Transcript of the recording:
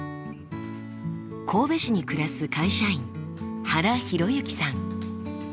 神戸市に暮らす会社員原弘幸さん。